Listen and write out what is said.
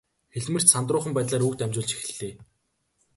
Хэлмэрч сандруухан байдлаар үг дамжуулж эхэллээ.